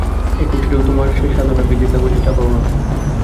এ কুটিরেও তোমার সে সাধনা ভিজে কাগজে চাপা পড়বে না।